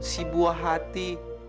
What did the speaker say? si buah hati